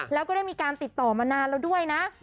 แล้วก็ได้มีการติดต่อมานานแล้วด้วยนะ